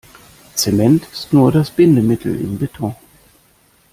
Zement ist nur das Bindemittel im Beton.